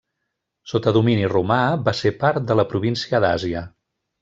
Sota domini romà, va ser part de la província d'Àsia.